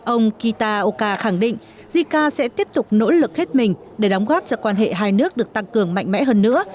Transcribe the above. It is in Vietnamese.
ông kitaoka khẳng định jica sẽ tiếp tục nỗ lực hết mình để đóng góp cho quan hệ hai nước được tăng cường mạnh mẽ hơn nữa